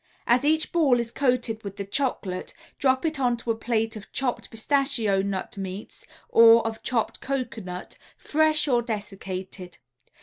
As each ball is coated with the chocolate drop it onto a plate of chopped pistachio nut meats or of chopped cocoanut (fresh or dessicated).